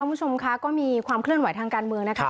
คุณผู้ชมค่ะก็มีความเคลื่อนไหวทางการเมืองนะคะ